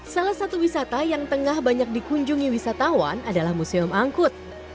salah satu wisata yang tengah banyak dikunjungi wisatawan adalah museum angkut